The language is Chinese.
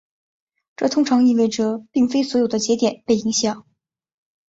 这通常意味着并非所有的节点被影响。